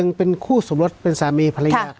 ยังเป็นคู่สำรสเป็นสามีกับนะครับค่ะ